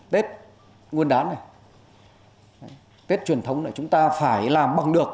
tết nguyên đán này tết truyền thống này chúng ta phải làm bằng được